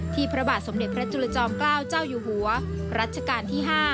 พระบาทสมเด็จพระจุลจอมเกล้าเจ้าอยู่หัวรัชกาลที่๕